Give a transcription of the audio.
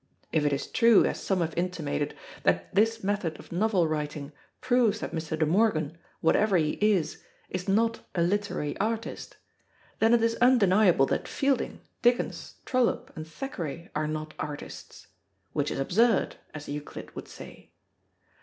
If it is true, as some have intimated, that this method of novel writing proves that Mr. De Morgan, whatever he is, is not a literary artist, then it is undeniable that Fielding, Dickens, Trollope, and Thackeray are not artists; which is absurd, as Euclid would say.